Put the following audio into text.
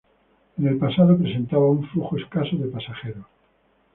En el pasado presentaba un flujo escaso de pasajeros.